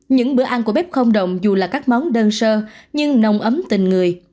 những bữa ăn của bếp không đồng dù là các món đơn sơ nhưng nồng ấm tình người